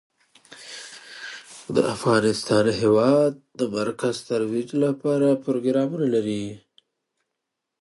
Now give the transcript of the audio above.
افغانستان د هېواد د مرکز ترویج لپاره پروګرامونه لري.